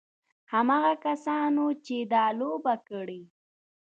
هماغه کسانو چې دا لوبه کړې.